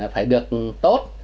phải được tốt